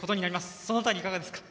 その辺り、いかがですか？